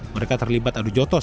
mereka terlibat adu jotos